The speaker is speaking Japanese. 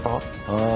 うん。